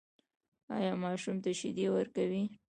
ایا ماشوم ته شیدې ورکوئ؟